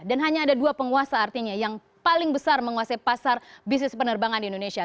hanya ada dua penguasa artinya yang paling besar menguasai pasar bisnis penerbangan di indonesia